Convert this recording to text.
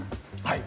はい。